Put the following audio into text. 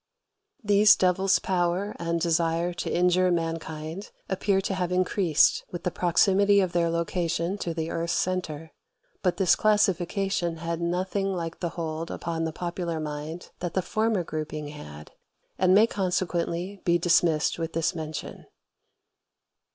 These devils' power and desire to injure mankind appear to have increased with the proximity of their location to the earth's centre; but this classification had nothing like the hold upon the popular mind that the former grouping had, and may consequently be dismissed with this mention.